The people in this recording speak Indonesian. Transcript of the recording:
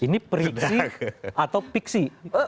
ini periksi atau fiksi